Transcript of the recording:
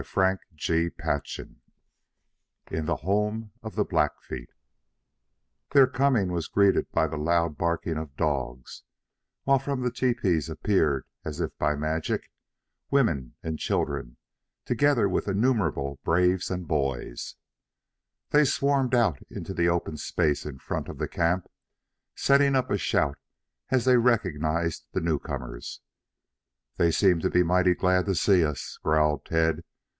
CHAPTER XXIII IN THE HOME OF THE BLACKFEET Their coming was greeted by the loud barking of dogs, while from the tepees appeared as if by magic, women and children, together with innumerable braves and boys. They fairly swarmed out into the open space in front of the camp, setting up a shout as they recognized the newcomers. "They seem to be mighty glad to see us," growled Tad.